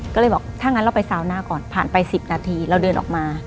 ก็เลยบอกถ้างั้นเราไปซาวหน้าก่อนผ่านไป๑๐นาทีเราเดินออกมา